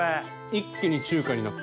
一気に中華になった。